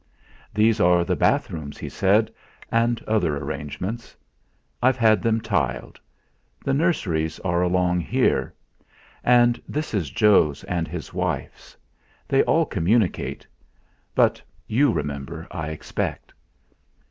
"These are the bathrooms," he said, "and other arrangements. I've had them tiled. The nurseries are along there. And this is Jo's and his wife's. They all communicate. But you remember, I expect."